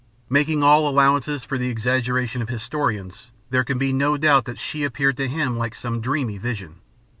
Making all allowance for the exaggeration of historians, there can be no doubt that she appeared to him like some dreamy vision.